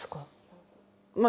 まあ